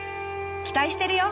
期待してるよ！